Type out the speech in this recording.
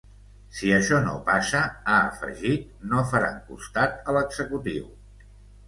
Si això no passa, ha afegit, no faran costat a l’executiu.